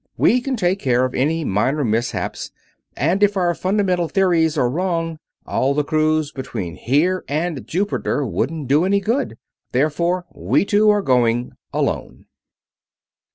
We can take care of any minor mishaps, and if our fundamental theories are wrong, all the crews between here and Jupiter wouldn't do any good. Therefore we two are going alone."